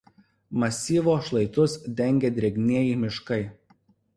Masyvo šlaitus dengia drėgnieji miškai.